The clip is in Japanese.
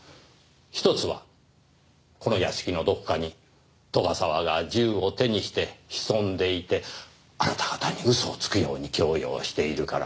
一つはこの屋敷のどこかに斗ヶ沢が銃を手にして潜んでいてあなた方に嘘をつくように強要しているから。